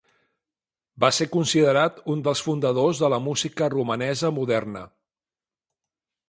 Va ser considerat un dels fundadors de la música romanesa moderna.